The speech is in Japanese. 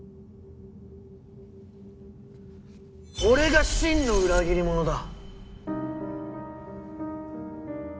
俺が真の裏切り者だ！